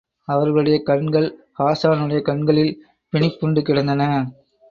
அவர்களுடைய கண்கள் ஹாஸானுடைய கண்களில் பிணிப்புண்டு கிடந்தன.